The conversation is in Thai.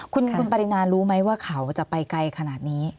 คุณปรินารู้ไหมว่าเขาจะไปไกลขนาดนี้